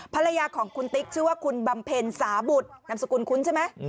ภรรยาของคุณติ๊กชื่อว่าคุณบำเพ็ญสาบุตรนำสกุลคุ้นใช่ไหม